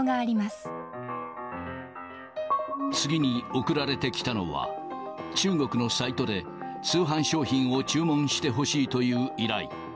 次に送られてきたのは、中国のサイトで通販商品を注文してほしいという依頼。